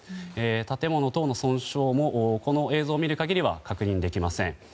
建物等の損傷もこの映像を見る限りは確認できません。